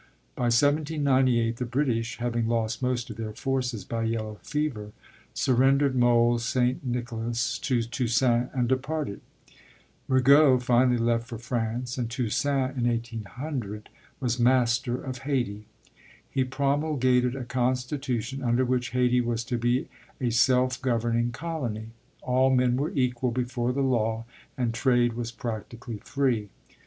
By 1798 the British, having lost most of their forces by yellow fever, surrendered Mole St. Nicholas to Toussaint and departed. Rigaud finally left for France, and Toussaint in 1800 was master of Hayti. He promulgated a constitution under which Hayti was to be a self governing colony; all men were equal before the law, and trade was practically free.